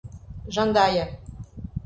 Jandaia